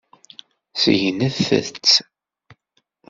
Segnet-tt.